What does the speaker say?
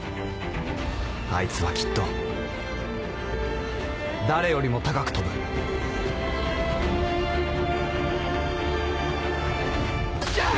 あいつはきっと誰よりも高く飛ぶヤァ！